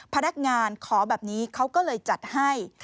พนักงานขอแบบนี้เขาก็เลยจัดให้